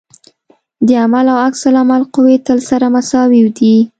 د عمل او عکس العمل قوې تل سره مساوي دي.